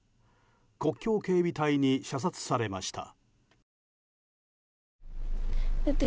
国境警備隊に射殺されました。